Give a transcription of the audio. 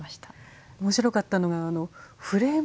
面白かったのがあのフレーム？